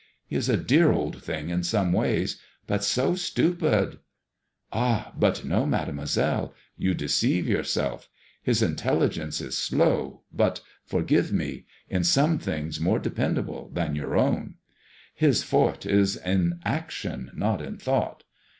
He is a dear old thing in some ways, but so stupid." "Ah I but no, Mademoiselle. You deceive yourself. His intel ligence is slow, but — forgive me ( a8 IfADSMOISBLLB IXK. — ^in some things more depend able than your own. His forte is in action, not in thought.